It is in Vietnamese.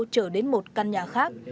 trở đến một căn nhà khác